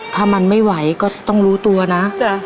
ถ้ามันไม่ไหวก็ต้องรู้ตัวนะ